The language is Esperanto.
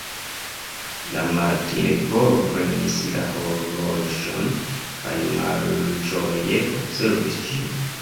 La Martleporo prenis la horloĝon, kaj malĝoje observis ĝin.